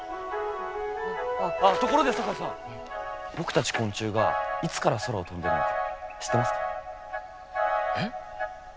あっところで堺さん僕たち昆虫がいつから空を飛んでるのか知ってますか？